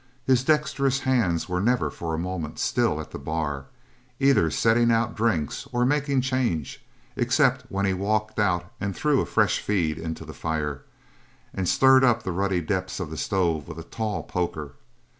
His dextrous hands were never for a moment still at the bar, either setting out drinks or making change, except when he walked out and threw a fresh feed into the fire, and stirred up the ruddy depths of the stove with a tall poker.